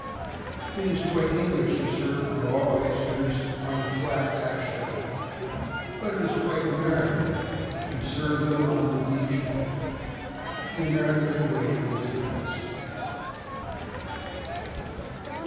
It is quite English to serve raw oysters on the flat half shell, but it is quite American to serve them on the deep shell. The American way is the best.